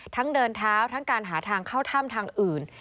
เดินเท้าทั้งการหาทางเข้าถ้ำทางอื่น